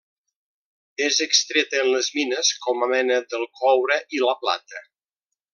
És extreta en les mines com a mena del coure i la plata.